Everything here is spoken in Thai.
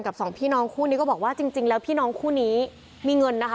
สองพี่น้องคู่นี้ก็บอกว่าจริงแล้วพี่น้องคู่นี้มีเงินนะคะ